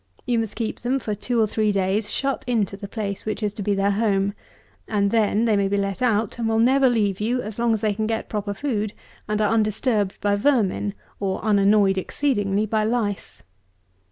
You must keep them for two or three days, shut into the place which is to be their home; and then they may be let out, and will never leave you, as long as they can get proper food, and are undisturbed by vermin, or unannoyed exceedingly by lice.